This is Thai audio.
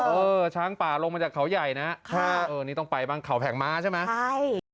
เออช้างป่าลงมาจากเขาใหญ่นะค่ะเออนี่ต้องไปบ้างเขาแผงม้าใช่ไหมใช่